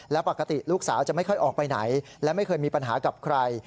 และปกติลูกสาวจะไม่ค่อยออกไปไหนและไม่เคยมีปัญหากับใคร